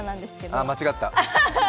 ああ、間違った。